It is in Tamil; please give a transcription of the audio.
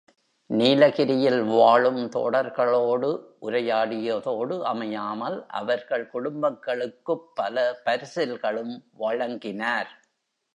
நீலகிரியில் வாழும் தோடர்களோடு உரையாடியதோடு அமையாமல், அவர்கள் குடும்பங்களுக்குப் பல பரிசில்களும் வழங்கினார்.